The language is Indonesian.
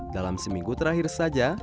dalam seminggu terakhir saja